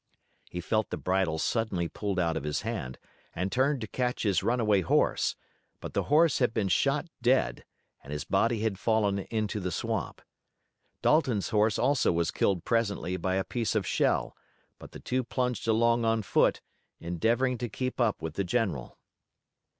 He felt the bridle suddenly pulled out of his hand, and turned to catch his runaway horse, but the horse had been shot dead and his body had fallen into the swamp. Dalton's horse also was killed presently by a piece of shell, but the two plunged along on foot, endeavoring to keep up with the general.